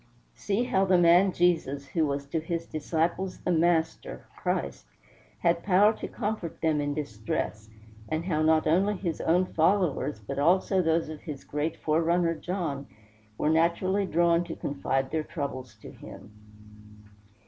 See how the man Jesus, who was to his disciples the Master, Christ, had power to comfort them in distress, and how not only his own followers, but also those of his great forerunner, John, were naturally drawn to confide their troubles to him.